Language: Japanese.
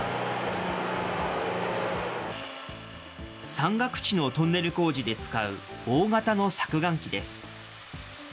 山岳地のトンネル工事で使う大型の削岩機です。